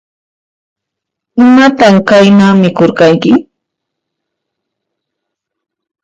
Imatan qayna mikhurqanki?